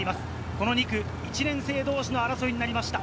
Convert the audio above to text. この２区、１年生同士の争いになりました。